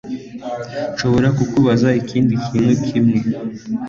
Nshobora kukubaza ikindi kintu kimwe